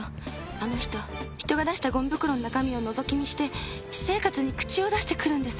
あの人人が出したゴミ袋の中身をのぞき見して私生活に口を出してくるんです。